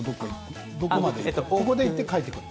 ここまで行って帰っていくの？